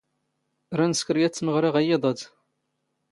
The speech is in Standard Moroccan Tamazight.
ⵔⴰⴷ ⵏⵙⴽⵔ ⵢⴰⵜ ⵜⵎⵖⵔⴰ ⵖ ⵢⵉⴹ ⴰⴷ.